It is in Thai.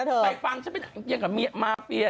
ไปฟังมาไปฟังอย่างกับเมียมากเนี่ย